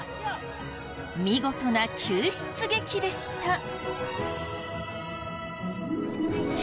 見事な救出劇でした。